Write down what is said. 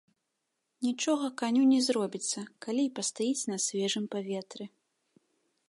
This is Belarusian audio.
Нічога каню не зробіцца, калі і пастаіць на свежым паветры.